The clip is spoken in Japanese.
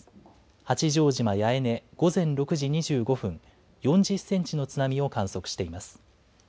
八丈島八重根、午前６時２５分、４０センチの津波を観測しています。